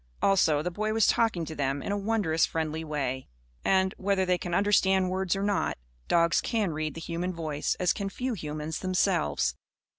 Also, the boy was talking to them in a wondrous friendly way. And whether they can understand words or not dogs can read the human voice as can few humans themselves.